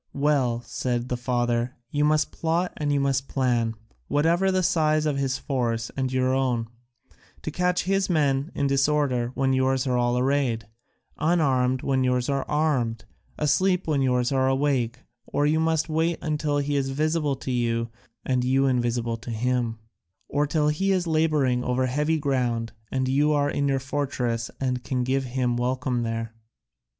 "Well," said the father, "you must plot and you must plan, whatever the size of his force and your own, to catch his men in disorder when yours are all arrayed, unarmed when yours are armed, asleep when yours are awake, or you must wait till he is visible to you and you invisible to him, or till he is labouring over heavy ground and you are in your fortress and can give him welcome there."